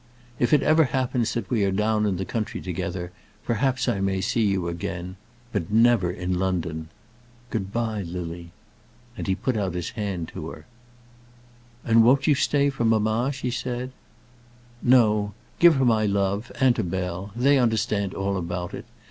If it ever happens that we are down in the country together, perhaps I may see you again; but never in London. Good by, Lily." And he put out his hand to her. [ILLUSTRATION: "And have I not really loved you?"] "And won't you stay for mamma?" she said. "No. Give her my love, and to Bell. They understand all about it.